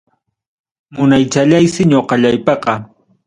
Munaychallaysi ñoqallaypaqa.